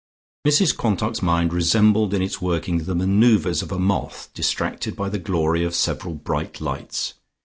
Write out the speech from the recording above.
Mrs Quantock's mind resembled in its workings the manoeuvres of a moth distracted by the glory of several bright lights.